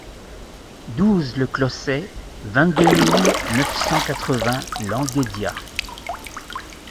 douze le Closset, vingt-deux mille neuf cent quatre-vingts Languédias